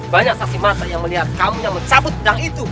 banyak saksi mata yang melihat kamu yang mencabut pedang itu